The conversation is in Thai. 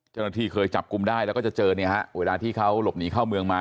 เจ้าหน้าที่เคยจับกลุ่มได้แล้วก็จะเจอเนี่ยฮะเวลาที่เขาหลบหนีเข้าเมืองมา